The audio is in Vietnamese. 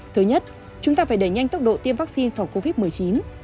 thứ nhất chúng ta phải đẩy nhanh tốc độ tiêm vaccine phòng covid một mươi chín